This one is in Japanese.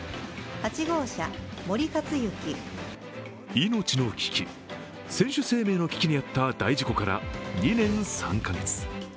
命の危機、選手生命の危機にあった大事故から２年３か月。